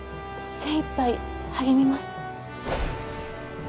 精いっぱい励みます。